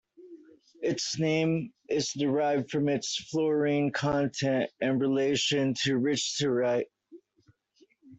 Its name is derived from its fluorine content and relation to richterite.